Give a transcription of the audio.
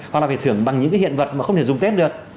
hoặc là phải thưởng bằng những cái hiện vật mà không thể dùng tết được